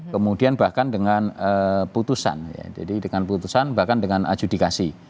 kemudian bahkan dengan putusan bahkan dengan adjudikasi